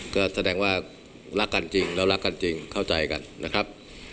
ก็แสดงว่ารักกันจริงแล้วรักกันจริงเข้าใจกันนะครับ